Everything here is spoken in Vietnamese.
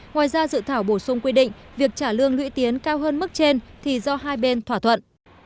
ngoài ra dự thảo bổ sung quy định việc trả lương lũy tiến cao hơn mức trên thì do hai bên thỏa thuận